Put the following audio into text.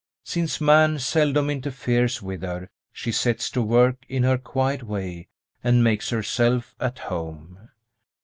Since man seldom interferes with her, she sets to work in her quiet way and makes herself at home.